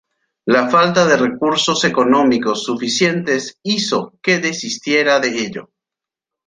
La falta de recursos económicos suficientes hizo que desistiera de ello.